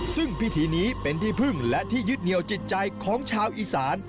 ซึ่งพิธีนี้เป็นที่พึ่งและที่ยึดเหนียวจิตใจของชาวอีสาน